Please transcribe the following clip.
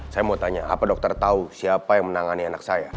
saya mau tanya apa dokter tahu siapa yang menangani anak saya